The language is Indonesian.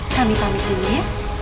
kami pamitin ya